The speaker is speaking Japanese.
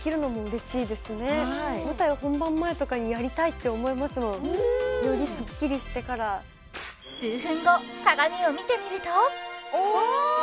舞台本番前とかにやりたいって思いますもんよりスッキリしてから数分後鏡を見てみるとお！